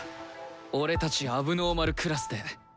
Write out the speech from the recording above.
俺たち問題児クラスで！